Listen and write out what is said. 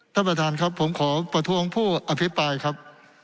ท่านประธานครับผมขอประท้วงผู้อภิปรายครับ